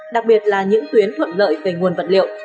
đặc biệt là những tuyến thuận lợi về nguồn vật liệu